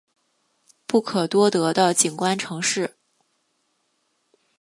不可多得的景观城市